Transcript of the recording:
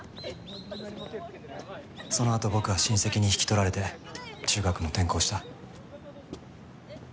そのあと僕は親戚に引き取られて中学も転校した。